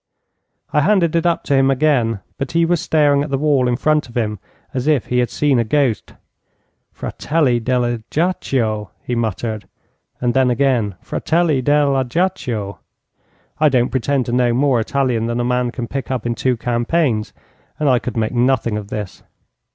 I handed it up to him again, but he was staring at the wall in front of him as if he had seen a ghost. "Fratelli dell' Ajaccio," he muttered; and then again, "Fratelli dell' Ajaccio." I don't pretend to know more Italian than a man can pick up in two campaigns, and I could make nothing of this.